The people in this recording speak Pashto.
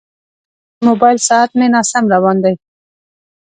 د موبایل ساعت مې ناسم روان دی.